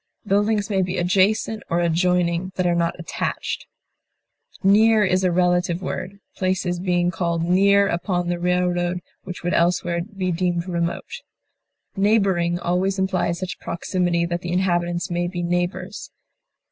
Buildings may be adjacent or adjoining that are not attached. Near is a relative word, places being called near upon the railroad which would elsewhere be deemed remote. Neighboring always implies such proximity that the inhabitants may be neighbors.